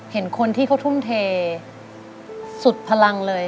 เห็นคนที่เขาทุ่มเทสุดพลังเลย